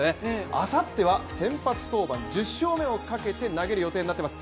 あさっては先発登板、１０勝目をかけて投げることになっています。